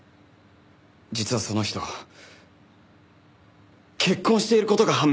実はその人結婚している事が判明しまして。